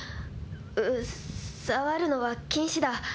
うっ触るのは禁止だ。